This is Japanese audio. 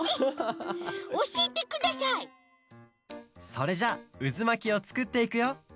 それじゃあうずまきをつくっていくよ。